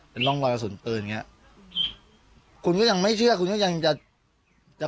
เป็นร่องรอยกระสุนปืนอย่างเงี้ยคุณก็ยังไม่เชื่อคุณก็ยังจะจะ